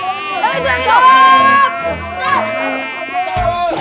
hei jangan gitu